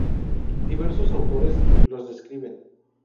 Diversos autores los describen.